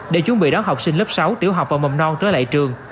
để chuẩn bị đón học sinh lớp sáu tiểu học và mầm non trở lại trường